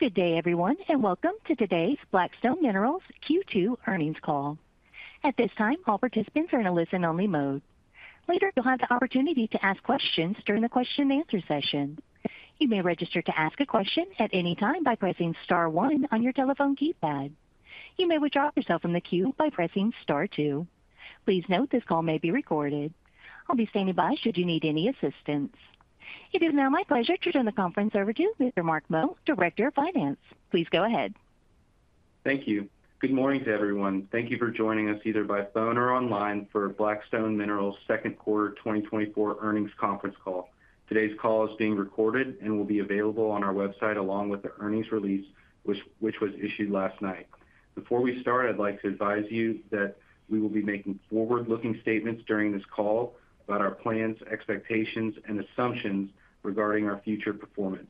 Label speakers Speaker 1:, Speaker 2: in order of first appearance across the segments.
Speaker 1: Good day, everyone, and welcome to today's Black Stone Minerals Q2 earnings call. At this time, all participants are in a listen-only mode. Later, you'll have the opportunity to ask questions during the question-and-answer session. You may register to ask a question at any time by pressing star one on your telephone keypad. You may withdraw yourself from the queue by pressing star two. Please note, this call may be recorded. I'll be standing by should you need any assistance. It is now my pleasure to turn the conference over to Mr. Mark Meaux, Director of Finance. Please go ahead.
Speaker 2: Thank you. Good morning to everyone. Thank you for joining us, either by phone or online, for Black Stone Minerals' second quarter 2024 earnings conference call. Today's call is being recorded and will be available on our website, along with the earnings release, which was issued last night. Before we start, I'd like to advise you that we will be making forward-looking statements during this call about our plans, expectations, and assumptions regarding our future performance.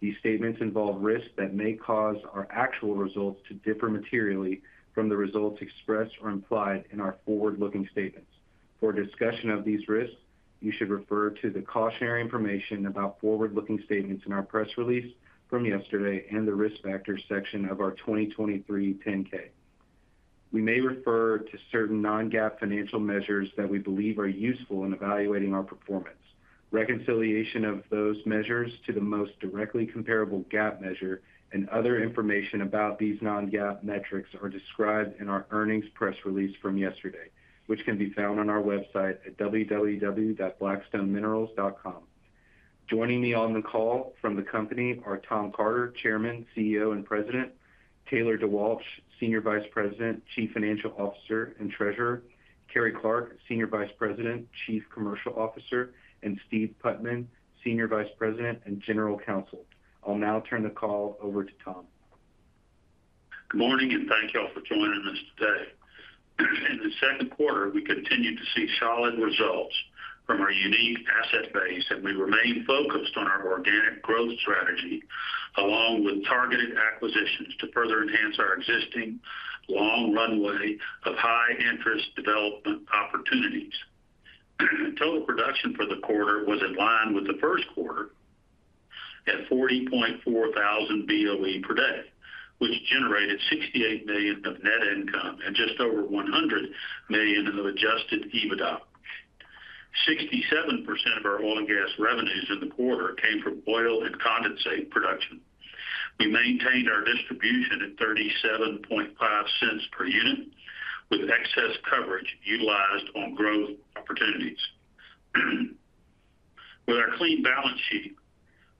Speaker 2: These statements involve risks that may cause our actual results to differ materially from the results expressed or implied in our forward-looking statements. For a discussion of these risks, you should refer to the cautionary information about forward-looking statements in our press release from yesterday and the Risk Factors section of our 2023 10-K. We may refer to certain non-GAAP financial measures that we believe are useful in evaluating our performance. Reconciliation of those measures to the most directly comparable GAAP measure and other information about these non-GAAP metrics are described in our earnings press release from yesterday, which can be found on our website at www.blackstoneminerals.com. Joining me on the call from the company are Tom Carter, Chairman, CEO, and President, Taylor DeWalch, Senior Vice President, Chief Financial Officer, and Treasurer, Carrie Clark, Senior Vice President, Chief Commercial Officer, and Steve Putman, Senior Vice President and General Counsel. I'll now turn the call over to Tom.
Speaker 3: Good morning, and thank you all for joining us today. In the second quarter, we continued to see solid results from our unique asset base, and we remain focused on our organic growth strategy, along with targeted acquisitions to further enhance our existing long runway of high-interest development opportunities. Total production for the quarter was in line with the first quarter at 40,400 BOE per day, which generated $68 million of net income and just over $100 million of adjusted EBITDA. 67% of our oil and gas revenues in the quarter came from oil and condensate production. We maintained our distribution at $0.375 per unit, with excess coverage utilized on growth opportunities. With our clean balance sheet,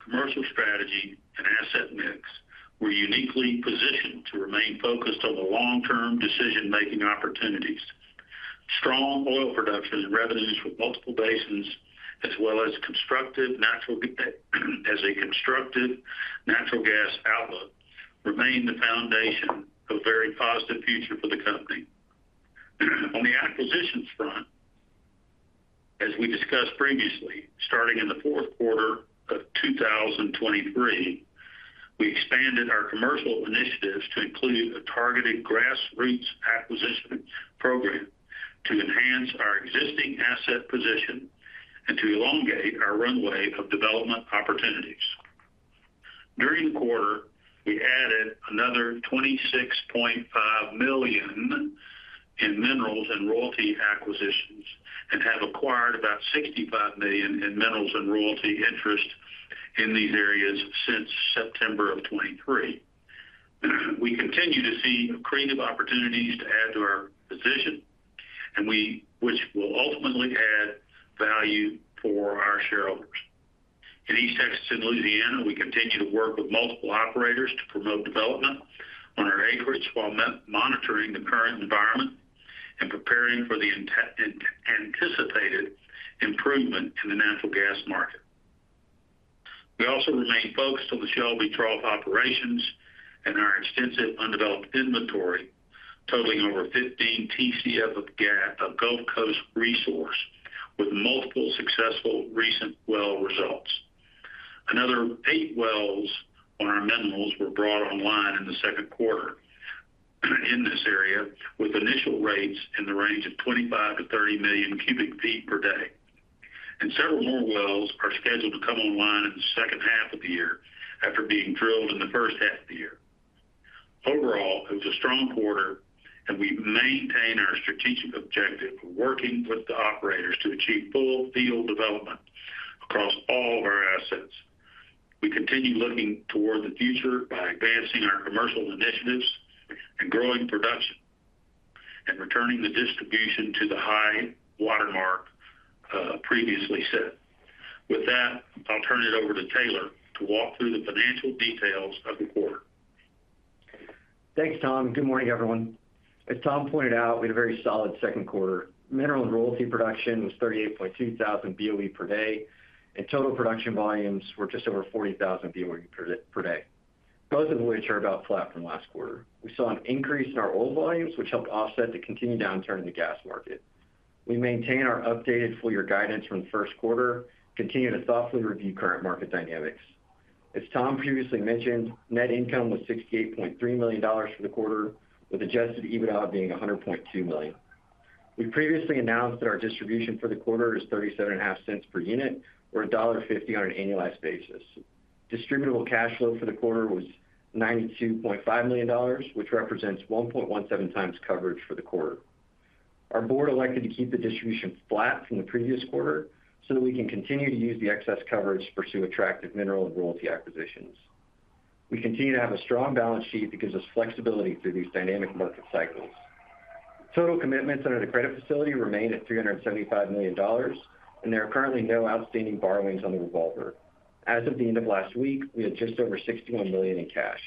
Speaker 3: commercial strategy, and asset mix, we're uniquely positioned to remain focused on the long-term decision-making opportunities. Strong oil production and revenues from multiple basins, as well as a constructive natural gas outlook, remain the foundation of a very positive future for the company. On the acquisitions front, as we discussed previously, starting in the fourth quarter of 2023, we expanded our commercial initiatives to include a targeted grassroots acquisition program to enhance our existing asset position and to elongate our runway of development opportunities. During the quarter, we added another $26.5 million in minerals and royalty acquisitions and have acquired about $65 million in minerals and royalty interest in these areas since September of 2023. We continue to see creative opportunities to add to our position, which will ultimately add value for our shareholders. In East Texas and Louisiana, we continue to work with multiple operators to promote development on our acreage while monitoring the current environment and preparing for the anticipated improvement in the natural gas market. We also remain focused on the Shelby Trough operations and our extensive undeveloped inventory, totaling over 15 Tcf of gas, a Gulf Coast resource with multiple successful recent well results. Another 8 wells on our minerals were brought online in the second quarter in this area, with initial rates in the range of 25 million -30 million cu ft per day, and several more wells are scheduled to come online in the second half of the year after being drilled in the first half of the year. Overall, it was a strong quarter, and we maintain our strategic objective of working with the operators to achieve full field development across all of our assets. We continue looking toward the future by advancing our commercial initiatives and growing production and returning the distribution to the high watermark, previously set. With that, I'll turn it over to Taylor to walk through the financial details of the quarter.
Speaker 4: Thanks, Tom. Good morning, everyone. As Tom pointed out, we had a very solid second quarter. Mineral and royalty production was 38.2 thousand BOE per day, and total production volumes were just over 40,000 BOE per day, both of which are about flat from last quarter. We saw an increase in our oil volumes, which helped offset the continued downturn in the gas market. We maintain our updated full-year guidance from the first quarter, continuing to thoughtfully review current market dynamics. As Tom previously mentioned, net income was $68.3 million for the quarter, with adjusted EBITDA being $100.2 million. We previously announced that our distribution for the quarter is $0.375 per unit, or $1.50 on an annualized basis. Distributable cash flow for the quarter was $92.5 million, which represents 1.17x coverage for the quarter. Our board elected to keep the distribution flat from the previous quarter so that we can continue to use the excess coverage to pursue attractive mineral and royalty acquisitions. We continue to have a strong balance sheet that gives us flexibility through these dynamic market cycles. Total commitments under the credit facility remain at $375 million, and there are currently no outstanding borrowings on the revolver. As of the end of last week, we had just over $61 million in cash.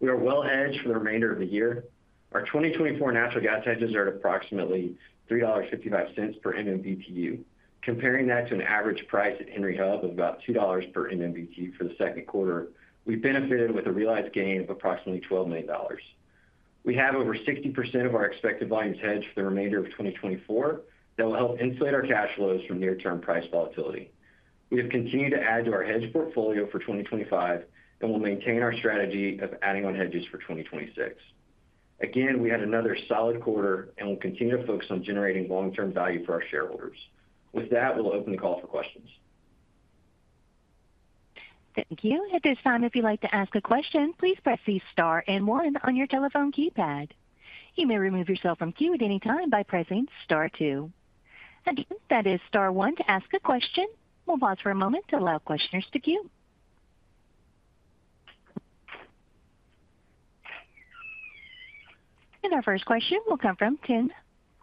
Speaker 4: We are well hedged for the remainder of the year. Our 2024 natural gas hedges are at approximately $3.55 per MMBtu. Comparing that to an average price at Henry Hub of about $2 per MMBtu for the second quarter, we've benefited with a realized gain of approximately $12 million. We have over 60% of our expected volumes hedged for the remainder of 2024 that will help insulate our cash flows from near-term price volatility. We have continued to add to our hedge portfolio for 2025, and we'll maintain our strategy of adding on hedges for 2026. Again, we had another solid quarter, and we'll continue to focus on generating long-term value for our shareholders. With that, we'll open the call for questions.
Speaker 1: Thank you. At this time, if you'd like to ask a question, please press the star and one on your telephone keypad. You may remove yourself from queue at any time by pressing star two. Again, that is star one to ask a question. We'll pause for a moment to allow questioners to queue. And our first question will come from Tim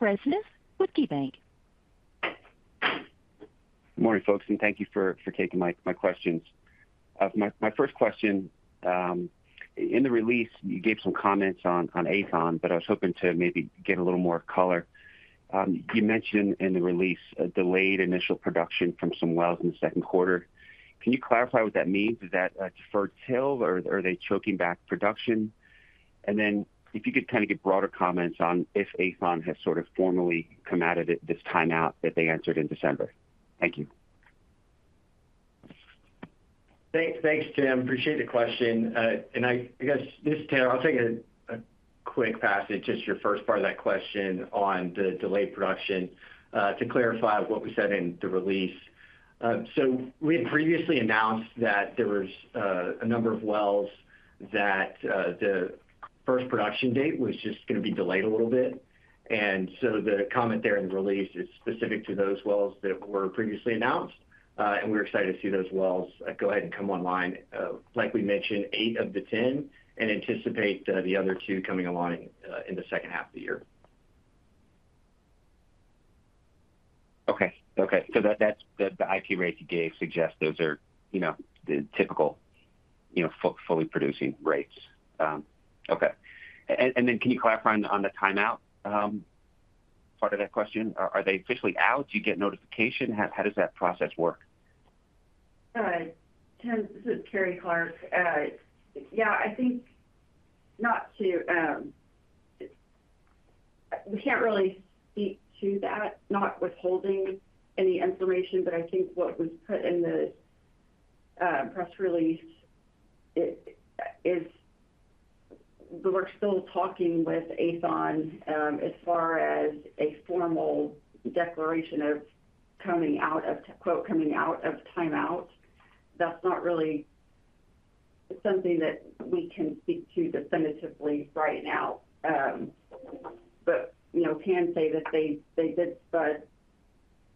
Speaker 1: Rezvan with KeyBanc.
Speaker 5: Good morning, folks, and thank you for taking my questions. My first question, in the release, you gave some comments on Aethon, but I was hoping to maybe get a little more color. You mentioned in the release a delayed initial production from some wells in the second quarter. Can you clarify what that means? Is that deferred till, or are they choking back production? And then if you could kind of give broader comments on if Aethon has sort of formally come out of it, this timeout that they entered in December. Thank you.
Speaker 4: Thanks, Tim. I appreciate the question. I guess, this is Taylor. I'll take a quick pass at just your first part of that question on the delayed production, to clarify what we said in the release. So we had previously announced that there was a number of wells that the first production date was just gonna be delayed a little bit. And so the comment there in the release is specific to those wells that were previously announced. And we're excited to see those wells go ahead and come online. Like we mentioned, eight of the 10 and anticipate the other two coming online in the second half of the year.
Speaker 5: Okay. So that, that's the IP rate you gave suggests those are, you know, the typical, you know, fully producing rates. Okay. And, and then can you clarify on the timeout part of that question? Are they officially out? Do you get notification? How does that process work?
Speaker 6: Tim, this is Carrie Clark. Yeah, I think not to, we can't really speak to that, not withholding any information, but I think what was put in the press release is we're still talking with Aethon, as far as a formal declaration of, "Coming out of timeout." That's not really something that we can speak to definitively right now. But, you know, can say that they did start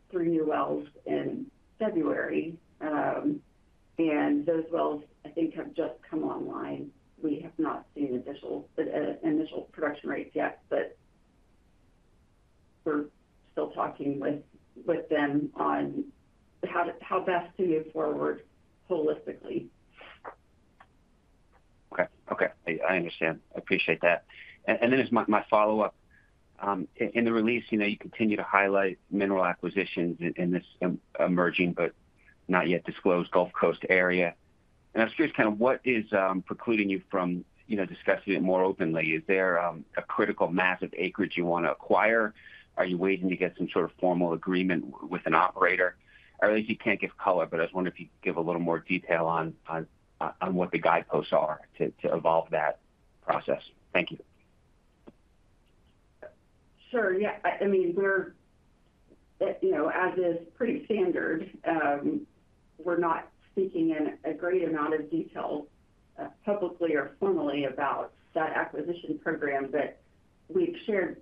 Speaker 6: three new wells in February, and those wells, I think, have just come online. We have not seen initial production rates yet, but we're still talking with them on how best to move forward holistically.
Speaker 5: Okay, I understand. I appreciate that. And then as my follow-up, in the release, you know, you continue to highlight mineral acquisitions in this emerging but not yet disclosed Gulf Coast area. And I'm curious kind of what is precluding you from, you know, discussing it more openly? Is there a critical mass of acreage you want to acquire? Are you waiting to get some sort of formal agreement with an operator? I realize you can't give color, but I was wondering if you could give a little more detail on what the guideposts are to evolve that process. Thank you.
Speaker 6: Sure. Yeah. I mean, we're, you know, as is pretty standard, we're not speaking in a great amount of detail, publicly or formally about that acquisition program, but we've shared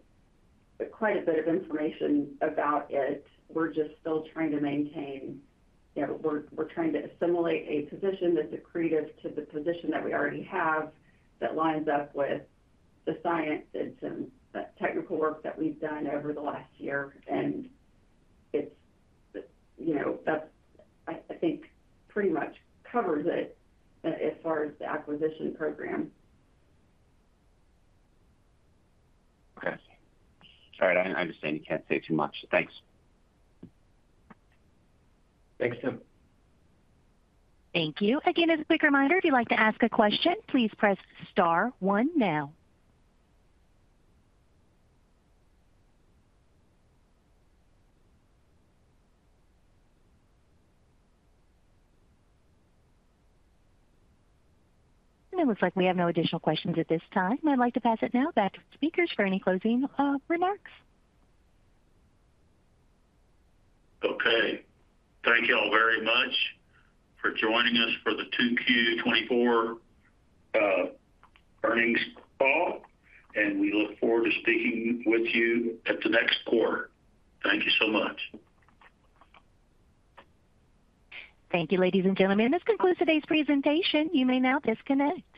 Speaker 6: quite a bit of information about it. We're just still trying to maintain, you know, we're trying to assimilate a position that's accretive to the position that we already have, that lines up with the science and some technical work that we've done over the last year, and it's, you know, that's, I think pretty much covers it as far as the acquisition program.
Speaker 5: Okay. All right. I understand you can't say too much. Thanks.
Speaker 4: Thanks, Tim.
Speaker 1: Thank you. Again, as a quick reminder, if you'd like to ask a question, please press star one now. It looks like we have no additional questions at this time. I'd like to pass it now back to speakers for any closing remarks.
Speaker 3: Okay. Thank you all very much for joining us for the 2Q 2024 earnings call, and we look forward to speaking with you at the next quarter. Thank you so much.
Speaker 1: Thank you, ladies and gentlemen. This concludes today's presentation. You may now disconnect.